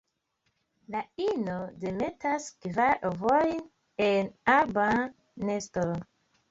La ino demetas kvar ovojn en arba nesto.